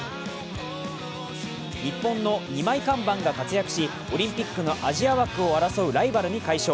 日本の二枚看板が活躍し、オリンピックのアジア枠を争うライバルに快勝。